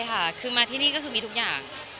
ใช่ค่ะมาที่นี่ก็มีทุกอย่าง